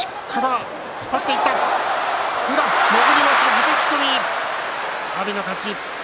はたき込み、阿炎の勝ち。